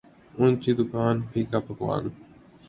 اونچی دکان پھیکا پکوان